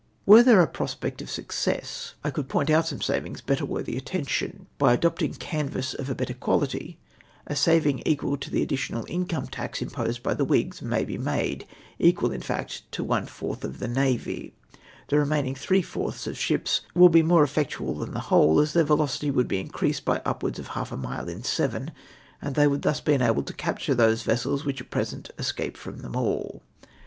Were there a prospect of success, I could point out some savings better worthy attention. By adopting canvass of a better quality, a saving equal to the additional income tax imposed by the ^^^ligs may be made, equal, in fact, to one fourth of the Navy. The remaining three fourths of the ships will be more effectual than the whole, as their velocity would be increased by up w^ards of half a mile in seven, and they would thus be enabled to capture those vessels which at present escape from them all.